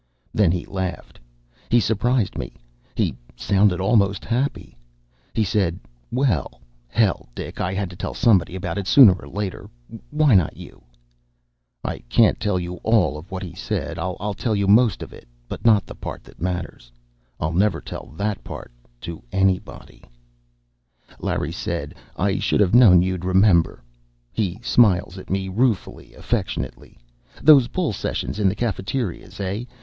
Then he laughed. He surprised me; he sounded almost happy. He said, "Well, hell, Dick I had to tell somebody about it sooner or later. Why not you?" I can't tell you all of what he said. I'll tell most of it but not the part that matters. I'll never tell that part to anybody. Larry said, "I should have known you'd remember." He smiled at me ruefully, affectionately. "Those bull sessions in the cafeterias, eh?